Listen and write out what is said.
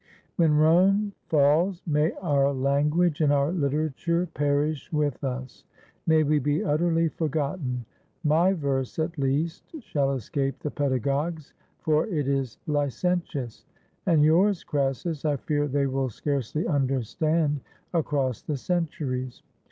When Rome falls may our language and our literature perish with us. May we be utterly for gotten. My verse at least shall escape the pedagogues, for it is licentious; and yours, Crassus, I fear they will scarcely understand across the centuries.